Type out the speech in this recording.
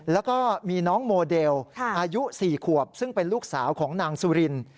แล้วก็มีน้องโมเดลอายุ๔ขวบซึ่งเป็นลูกสาวของนางสุริน